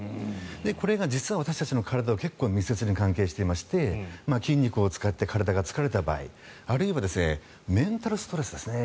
これが実は私たちの体と結構、密接に関係していまして筋肉を使って体が疲れた場合あるいはメンタルストレスですね